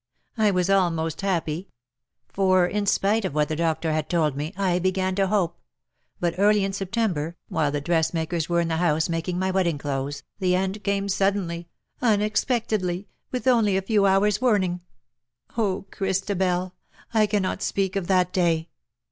I was almost happy ; for, in spite of what the doctor had told me, I began to hope ! but early in September, while the dressmakers were in the house making my wedding clothes, the end came suddenly, unexpectedly, with only a few hours' warning. Oh, Christabel ! I cannot speak of that day